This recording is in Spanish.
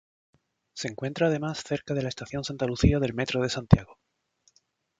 Se encuentra además cerca de la estación Santa Lucía del Metro de Santiago.